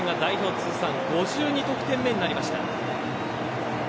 通算５２得点目になりました。